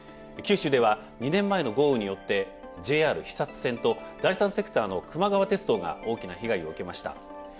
九州では２年前の豪雨によってＪＲ肥線と第三セクターのくま川鉄道が大きな被害を受けました。